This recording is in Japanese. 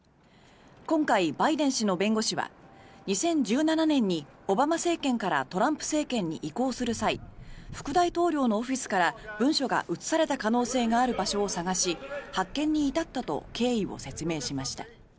今回、バイデン氏の弁護士は２０１７年にオバマ政権からトランプ政権に移行する際副大統領のオフィスから文書が移された可能性がある場所を探し発見に至ったと経緯を説明しました。